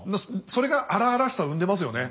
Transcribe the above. それが荒々しさを生んでますよね。